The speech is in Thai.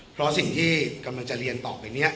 เพราะสิ่งที่กำลังจะเรียนต่อไปเนี่ย